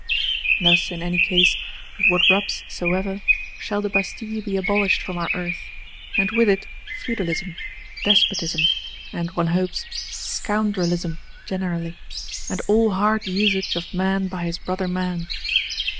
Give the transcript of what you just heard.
Thus, in any case, with what rubs soever, shall the Bastille be abolished from our Earth; and with it, Feudalism, Despotism; and, one hopes, Scoundrelism generally, and all hard usage of man by his brother man.